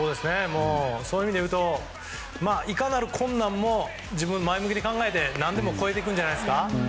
そういう意味でいうといかなる困難も自分で前向きに考えて何でも超えるんじゃないですか。